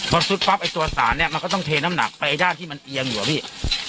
พอซุดปั๊บไอ้ตัวสารเนี่ยมันก็ต้องเทน้ำหนักไปไอ้ด้านที่มันเอียงอยู่อะพี่